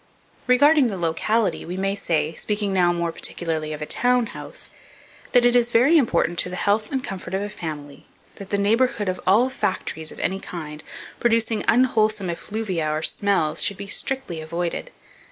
Regarding the locality, we may say, speaking now more particularly of a town house, that it is very important to the health and comfort of a family, that the neighbourhood of all factories of any kind, producing unwholesome effluvia or smells, should be strictly avoided.